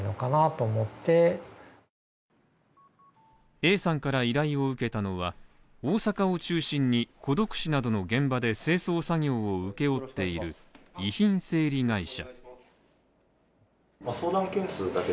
Ａさんから依頼を受けたのは、大阪を中心に孤独死などの現場で清掃作業を請け負っている遺品整理会社。